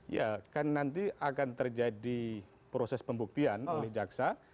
ya kan nanti akan terjadi proses pembuktian oleh jaksa